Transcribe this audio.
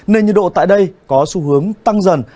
nên nhiệt độ tại đây có xu hướng tăng dần